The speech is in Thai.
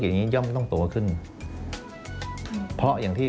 กระแสรักสุขภาพและการก้าวขัด